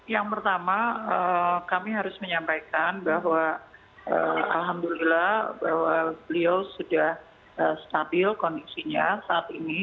yang pertama kami harus menyampaikan bahwa alhamdulillah bahwa beliau sudah stabil kondisinya saat ini